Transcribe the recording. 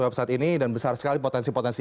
website ini dan besar sekali potensi potensi